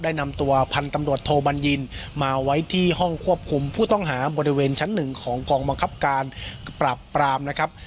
นำตัวพันธุ์ตำรวจโทบัญญินมาไว้ที่ห้องควบคุมผู้ต้องหาบริเวณชั้นหนึ่งของกองบังคับการปรับปรามนะครับ